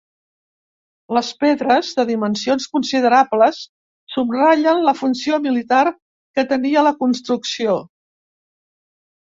Les pedres, de dimensions considerables, subratllen la funció militar que tenia la construcció.